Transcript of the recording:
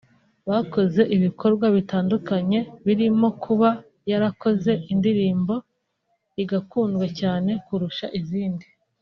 bakoze ibikorwa bitandukanye birimo kuba yarakoze indirimbo igakundwa cyane kurusha izindi